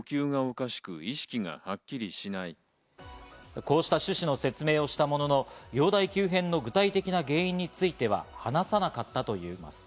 こうした趣旨の説明をしたものの、容体急変の具体的な原因については話さなかったといいます。